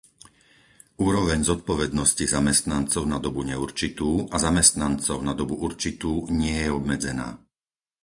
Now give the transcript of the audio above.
Úroveň zodpovednosti zamestnancov na dobu neurčitú a zamestnancov na dobu určitú nie je obmedzená.